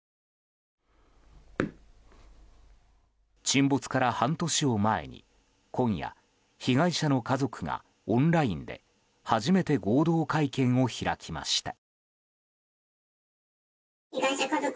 沈没から半年を前に今夜、被害者の家族がオンラインで初めて合同会見を開きました。